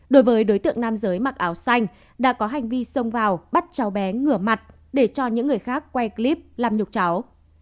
đối với đối tượng nam giới mặc áo xanh đã có hành vi xông vào bắt cháu bé ngửa mặt để cho những người khác quay clip làm nhục cháu